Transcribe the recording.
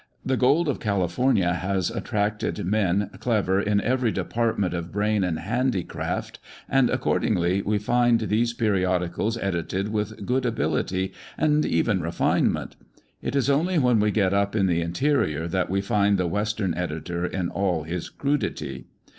The gold of California has attracted men clever in every de partment of brain and handicraft, and, accord ingly, we find these periodicals edited with good, ability and even refinement. It is only when we get up in the interior that we find the western editor in all his crudity.